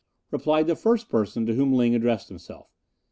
replied the first person to whom Ling addressed himself.